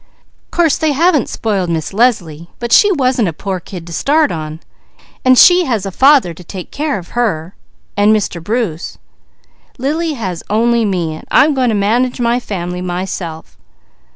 "Course they haven't spoiled Miss Leslie, but she wasn't a poor kid to start on, and she has a father to take care of her, and Mr. Bruce. Lily has only me and I'm going to manage my family myself.